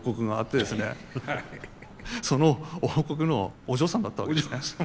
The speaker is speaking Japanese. その王国のお嬢さんだったわけですね。